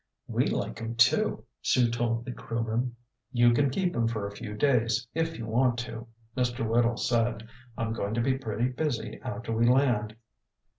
"We like him, too," Sue told the crewman. "You can keep him for a few days if you want to," Mr. Whittle said. "I'm going to be pretty busy after we land."